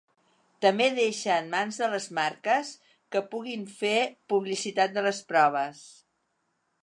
També deixa en mans de les marques que puguin fer publicitat de les proves.